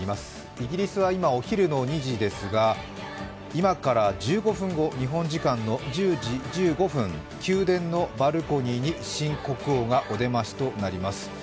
イギリスは今、お昼の２時ですが今から１５分後、日本時間の１２時１５分、宮殿のバルコニーに新国王がお出ましとなります。